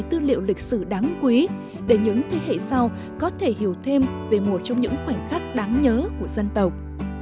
tư liệu lịch sử đáng quý để những thế hệ sau có thể hiểu thêm về một trong những khoảnh khắc đáng nhớ của dân tộc